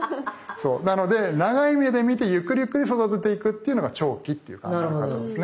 なので長い目で見てゆっくりゆっくりそだてていくっていうのが長期っていう考え方ですね。